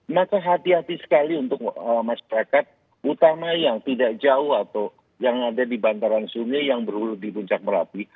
maka hati hati sekali untuk masyarakat utama yang tidak jauh atau yang ada di bantaran sungai yang berhulu di puncak merapi